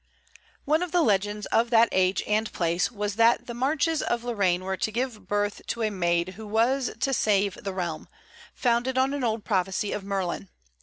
One of the legends of that age and place was that the marches of Lorraine were to give birth to a maid who was to save the realm, founded on an old prophecy of Merlin.